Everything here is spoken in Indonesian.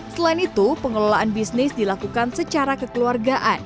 selain itu pengelolaan bisnis dilakukan secara kekeluargaan